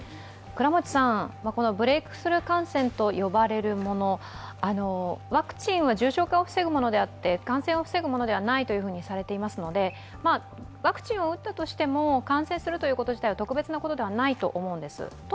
このブレークスルー感染と呼ばれるもの、ワクチンは重症化を防ぐものであって、感染を防ぐものではないとされていますのでワクチンを打ったとしても感染するということ自体は特別なことではないと思うんです。